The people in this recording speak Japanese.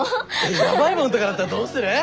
やばいもんとかだったらどうする？